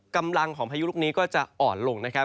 กำลังของพายุลูกนี้ก็จะอ่อนลงนะครับ